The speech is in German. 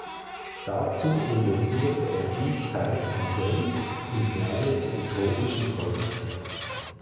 Dazu investierte er viel Zeit und Geld in Pläne zu utopischen Projekten.